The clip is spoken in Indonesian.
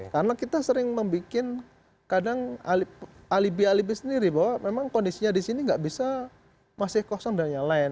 karena kita sering membuat kadang alibi alibi sendiri bahwa memang kondisinya di sini gak bisa masih kosong dengan yang lain